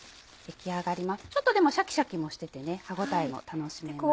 ちょっとシャキシャキもしてて歯応えも楽しめます。